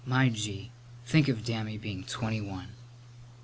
My gee, think of Dammy being twenty one!"